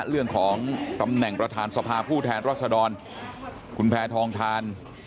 เรื่องของตำแหน่งประธานสภาผู้แทนรัศดรคุณแพทองทาน